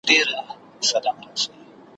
د زړه صبر او اجرونه غواړم ,